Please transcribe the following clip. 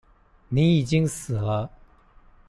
你已經死了